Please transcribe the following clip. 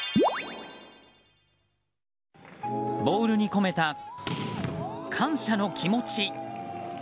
ボールに込めた感謝の気持ち。